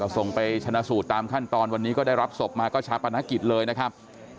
ส่งไปชนะสูตรตามขั้นตอนวันนี้ก็ได้รับศพมาก็ชาปนกิจเลยนะครับ